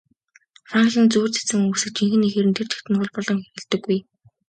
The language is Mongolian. Франклин зүйр цэцэн үгсийг жинхэнэ эхээр нь тэр чигт нь хуулбарлан хэрэглэдэггүй.